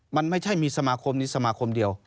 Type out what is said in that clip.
มันไม่ใช่มีสมาคมนี้สมาคมเดียว